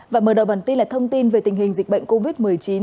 và mở đầu bản tin là thông tin về tình hình dịch bệnh covid một mươi chín